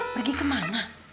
pergi ke mana